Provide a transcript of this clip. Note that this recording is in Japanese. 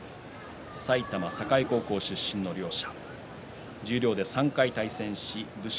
埼玉栄高校出身の両者。